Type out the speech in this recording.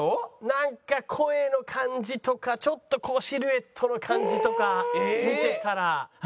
なんか声の感じとかちょっとこうシルエットの感じとか見てたら。